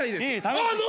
あっ！